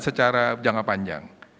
secara jangka panjang